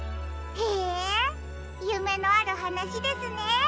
へえゆめのあるはなしですね。